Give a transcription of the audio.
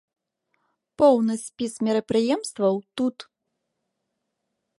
Поўны спіс мерапрыемстваў тут.